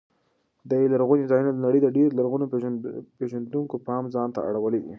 دې لرغونو ځایونو د نړۍ د ډېرو لرغون پېژندونکو پام ځان ته اړولی دی.